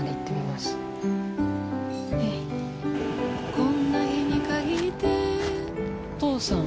こんな日に限って、お父さん？